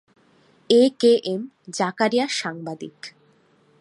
এ K M Zakaria সাংবাদিক।